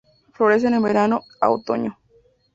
Florecen en verano a otoño.